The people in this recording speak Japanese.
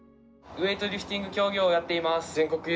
ウエイトリフティング競技をやっています。